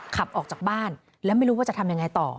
ขับออกจากบ้านแล้วไม่รู้ว่าจะทำยังไงต่อ